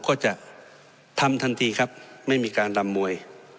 ก็จะทำทันทีครับไม่มีการรำมวย